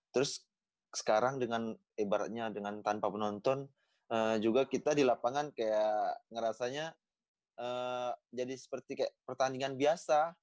terus sekarang dengan ibaratnya dengan tanpa penonton juga kita di lapangan kayak ngerasanya jadi seperti pertandingan biasa